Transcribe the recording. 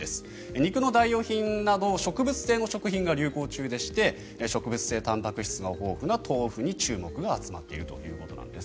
肉の代用品など植物性の食品が流行中でして植物性たんぱく質が豊富な豆腐に注目が集まっているということです。